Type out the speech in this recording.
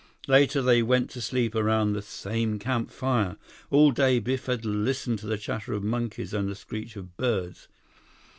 Later, they went to sleep around the same campfire. All day, Biff had listened to the chatter of monkeys and the screech of birds.